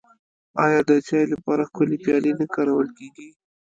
آیا د چای لپاره ښکلې پیالې نه کارول کیږي؟